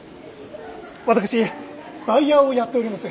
私バイヤーをやっております。